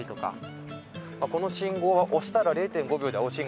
この信号は押したら０．５秒で青信号になる。